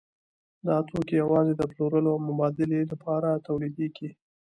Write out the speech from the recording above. دا توکي یوازې د پلورلو او مبادلې لپاره تولیدېږي